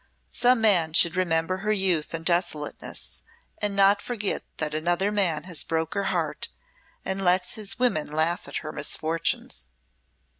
Some man should remember her youth and desolateness, and not forget that another man has broke her heart and lets his women laugh at her misfortunes."